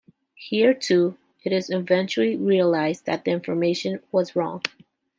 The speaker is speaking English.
Here, too, it is eventually realized that the information was wrong.